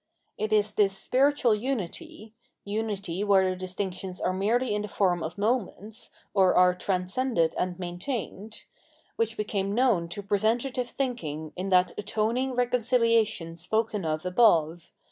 It is this spiritual unity, — ^unity where the distinctions are merely in the form of moments, or are transcended and maintained — which became known to presentative thinking in that atoning reconcihation spoken of above.